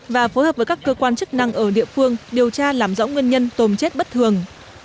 và phối hợp với các cơ quan chức năng ở địa phương điều tra làm rõ nguyên nhân tôm chết bất thường